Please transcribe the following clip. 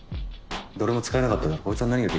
どれも使えなかったよ。